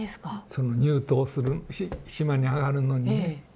その入島する島に上がるのにね。